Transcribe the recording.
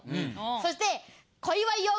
そして。